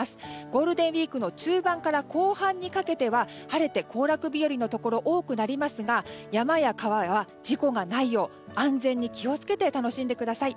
ゴールデンウィークの中盤から後半にかけては晴れて行楽日和のところ多くなりますが山や川は事故がないよう安全に気をつけて楽しんでください。